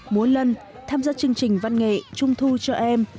múa lân tham gia chương trình văn nghệ trung thu cho em